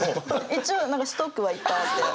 一応何かストックはいっぱいあって。